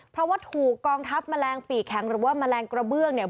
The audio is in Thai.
เพราะว่าถูกกองทัพแมลงปีกแข็งหรือว่าแมลงกระเบื้องเนี่ย